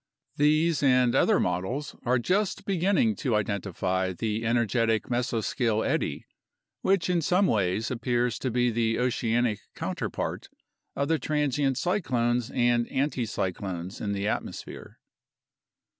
These and other models are just beginning to identify the energetic mesoscale eddy, which in some ways appears to be the oceanic counter part of the transient cyclones and anticyclones in the atmosphere.